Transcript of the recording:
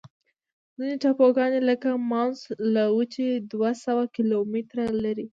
ځینې ټاپوګان لکه مانوس له وچې دوه سوه کیلومتره لري.